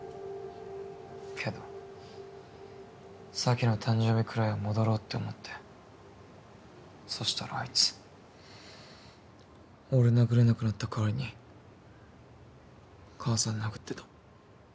けど咲の誕生日くらいは戻ろうって思ってそしたらあいつ俺殴れなくなった代わりに母さん殴ってた。